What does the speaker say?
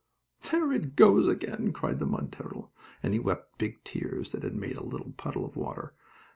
"There it goes again!" cried the mud turtle, and he wept big tears that made a little puddle of water.